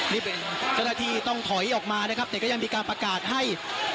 นี่เป็นเจ้าหน้าที่ต้องถอยออกมานะครับแต่ก็ยังมีการประกาศให้